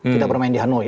kita bermain di hanoi